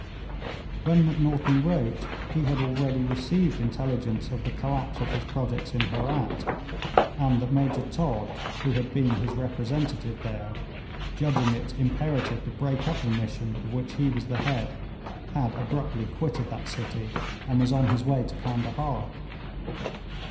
When Macnaghten wrote, he had already received intelligence of the collapse of his projects in Herat, and that Major Todd, who had been his representative there, judging it imperative to break up the mission of which he was the head, had abruptly quitted that city, and was on his way to Candahar.